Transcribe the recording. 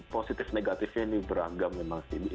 positif negatifnya ini beragam memang sih